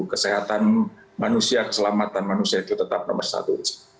kesehatan manusia keselamatan manusia itu tetap nomor satu